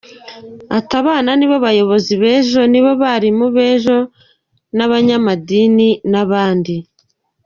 Ati”Abana nibo bayobozi b’ejo, nibo barimu b’ejo, abanyamadini, n’abindi.